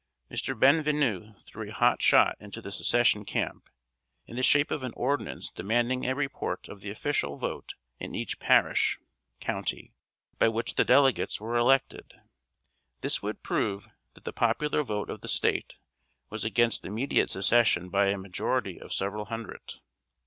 Mr. Bienvenu threw a hot shot into the Secession camp, in the shape of an ordinance demanding a report of the official vote in each parish (county) by which the delegates were elected. This would prove that the popular vote of the State was against immediate Secession by a majority of several hundred.